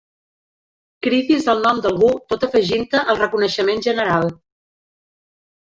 Cridis el nom d'algú tot afegint-te al reconeixement general.